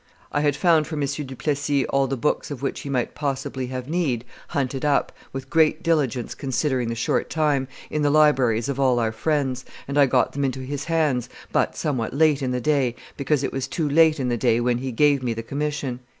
I had found for M. du Plessis all the books of which he might possibly have need, hunted up, with great diligence considering the short time, in the libraries of all our friends, and I got them into his hands, but somewhat late in the day, because it was too late in the day when he gave me the commission."